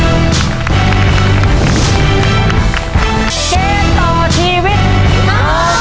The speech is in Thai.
เกมต่อทีวิทยา๒๓